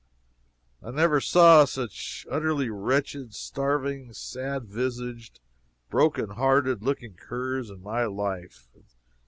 I never saw such utterly wretched, starving, sad visaged, broken hearted looking curs in my life.